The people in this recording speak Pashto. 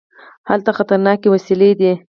هلته خطرناکې وسلې دي.